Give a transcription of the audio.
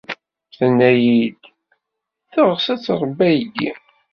Tenna-iyi-d teɣs ad tṛebbi aydi.